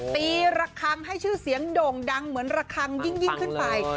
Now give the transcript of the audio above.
ตีระคังให้ชื่อเสียงโด่งดังเหมือนระคังยิ่งขึ้นไป